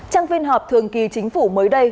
trang phiên họp thường kỳ chính phủ mới đây